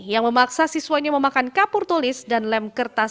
yang memaksa siswanya memakan kapur tulis dan lem kertas